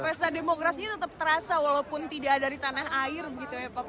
pesta demokrasi tetap terasa walaupun tidak dari tanah air gitu ya pak bucet